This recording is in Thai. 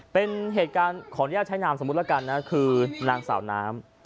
เป็นเหตุการณ์ขออนุญาตใช้นามสมมุติแล้วกันนะคือนางสาวน้ำ